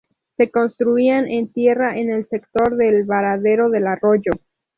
Se construían en tierra en el sector del varadero del arroyo.